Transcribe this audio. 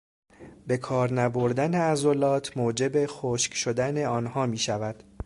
به کار نبردن عضلات موجب خشک شدن آنها میشود.